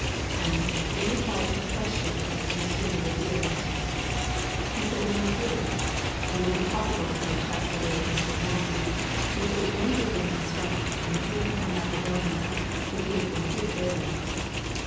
And, in reply to a question of Monsieur de Rivière, he said in my hearing: "It is impossible to play chess better than Mr. Morphy; if there be any difference in strength between him and Labourdonnais, it is in his favor."